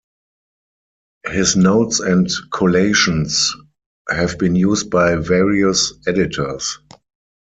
His notes and collations have been used by various editors.